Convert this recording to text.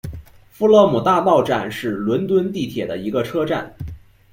富勒姆大道站是伦敦地铁的一个车站。